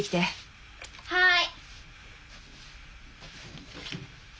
はい！